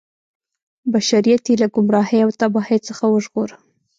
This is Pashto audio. بشریت یې له ګمراهۍ او تباهۍ څخه وژغوره.